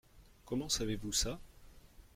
Comment savez-vous ça ?